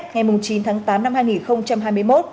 ngày chín tháng tám năm hai nghìn hai mươi một